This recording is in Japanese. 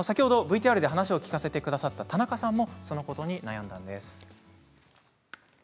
ＶＴＲで話を聞かせてくれた田中さんもそのことに悩んだんです。